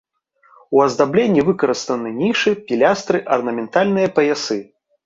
У аздабленні выкарыстаны нішы, пілястры, арнаментальныя паясы.